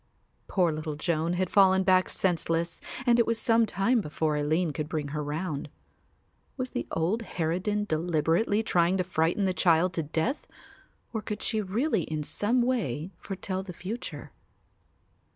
Poor little Joan had fallen back senseless and it was some time before Aline could bring her round. Was the old harridan deliberately trying to frighten the child to death or could she really in some way foretell the future?